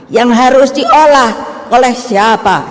yang harus diolah oleh siapa